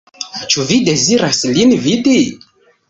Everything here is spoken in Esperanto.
Ĉu vi deziras lin vidi?